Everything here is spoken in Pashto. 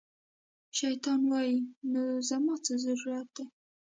شیطان وایي، نو زما څه ضرورت دی